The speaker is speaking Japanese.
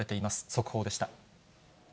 速報でした。